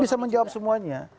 ini bisa menjawab semuanya